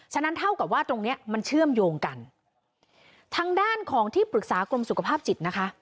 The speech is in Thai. นั่นเท่ากับว่าตรงเนี้ยมันเชื่อมโยงกันทางด้านของที่ปรึกษากรมสุขภาพจิตนะคะ